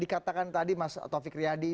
dikatakan tadi mas tovik riadi